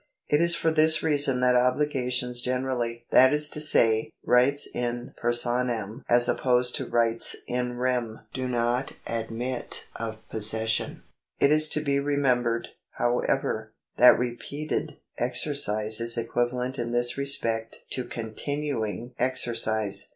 It is for this reason that obligations generally (that is to say, rights in personam as opposed to rights in rem) do not admit of possession. It is to be remembered, however, that repeated exercise is equivalent in this respect to continuing exercise.